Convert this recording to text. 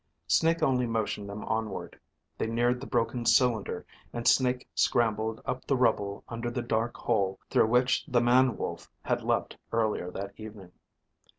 Snake only motioned them onward. They neared the broken cylinder and Snake scrambled up the rubble under the dark hole through which the man wolf had leaped earlier that evening.